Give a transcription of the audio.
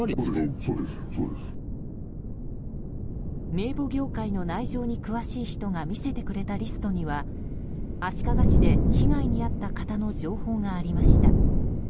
名簿業界の内情に詳しい人が見せてくれたリストには足利市で被害に遭った方の情報がありました。